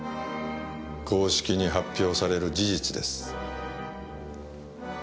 公式に発表される事実です。